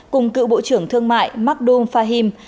cùng cựu bộ trưởng thương mại makhdoom fahim